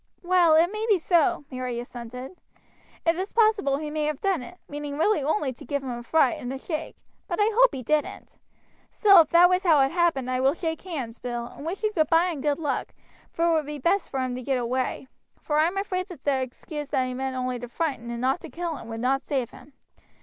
"Well, it may be so," Mary assented. "It is possible he may have done it, meaning really only to give him a fright and a shake; but I hope he didn't. Still if that was how it happened I will shake hands, Bill, and wish you goodby and good luck, for it would be best for him to get away, for I am afraid that the excuse that he only meant to frighten and not to kill him will not save him.